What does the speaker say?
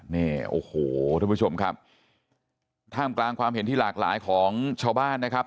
นี่โอ้โหทุกผู้ชมครับท่ามกลางความเห็นที่หลากหลายของชาวบ้านนะครับ